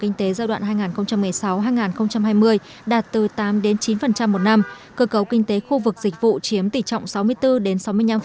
kinh tế giai đoạn hai nghìn một mươi sáu hai nghìn hai mươi đạt từ tám chín một năm cơ cấu kinh tế khu vực dịch vụ chiếm tỷ trọng